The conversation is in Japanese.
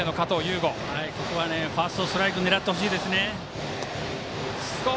ファーストストライクを狙ってほしいですね。